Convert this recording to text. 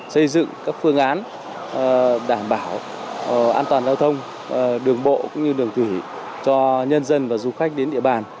xây dựng các phương án đảm bảo an toàn giao thông đường bộ cũng như đường thủy cho nhân dân và du khách đến địa bàn